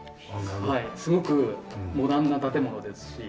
すごくモダンな建物ですし。